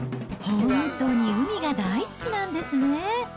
本当に海が大好きなんですね。